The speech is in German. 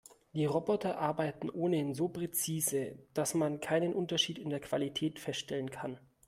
Die Roboter arbeiten ohnehin so präzise, dass man keinen Unterschied in der Qualität feststellen kann.